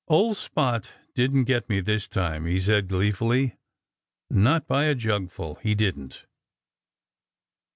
"Old Spot didn't get me this time!" he said gleefully. "Not by a jugful, he didn't!"